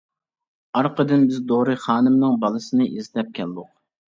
ئارقىدىن بىز دورى خانىمنىڭ بالىسىنى ئىزدەپ كەلدۇق.